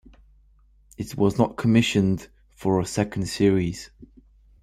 It was not commissioned for a second series.